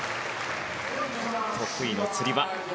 得意のつり輪。